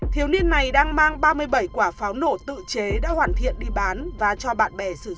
thiếu niên này đang mang ba mươi bảy quả pháo nổ tự chế đã hoàn thiện đi bán và cho bạn bè sử dụng